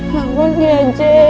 bangun ya jess